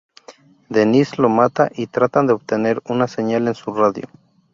Denise lo mata y tratan de obtener una señal en su radio.